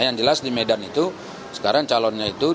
yang jelas di medan itu sekarang calonnya itu